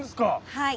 はい。